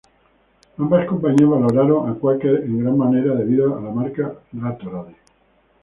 Ambas compañías valoraron a Quaker en gran manera debido a la marca Gatorade.